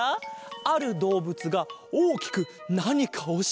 あるどうぶつがおおきくなにかをしているぞ！